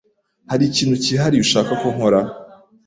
Hari ikintu cyihariye ushaka ko nkora?